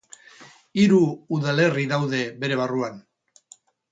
Hiru udalerri daude bere barruan.